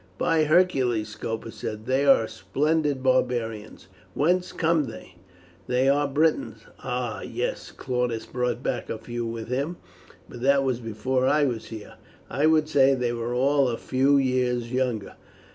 "By Hercules," Scopus said, "they are splendid barbarians! Whence come they?" "They are Britons." "Ah! Yes, Claudius brought back a few with him, but that was before I was here. I would they were all a few years younger.